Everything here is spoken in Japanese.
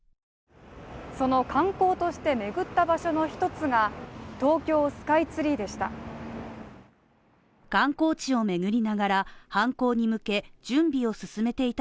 その観光として巡った場所の一つが東京スカイツリーでした。